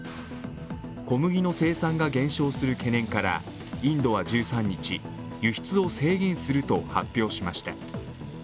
小麦の生産が減少する懸念からインドは１３日輸出を制限すると発表しました。